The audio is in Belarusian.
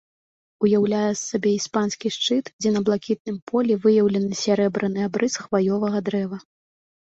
Уяўляе з сабе іспанскі шчыт, дзе на блакітным полі выяўлены сярэбраны абрыс хваёвага дрэва.